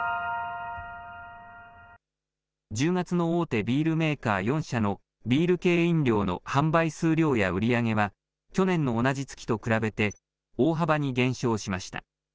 １０月の大手ビールメーカー４社のビール系飲料の販売数量や売り上げは、去年の同じ月と比べて、大幅に減少しました。